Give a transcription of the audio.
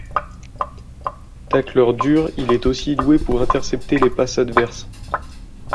Tacleur dur, il est aussi doué pour intercepter les passes adverses.